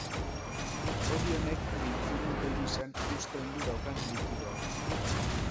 Hodi honek giltzurrun pelbisean husten du daukan likidoa.